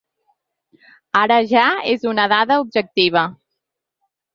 Ara ja és una dada objectiva.